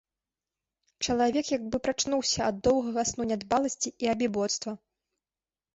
Чалавек як бы прачнуўся ад доўгага сну нядбаласці і абібоцтва.